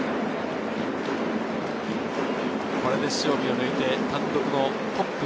これで塩見を抜いて単独トップ。